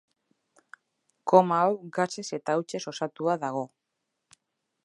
Koma hau gasez eta hautsez osatua dago.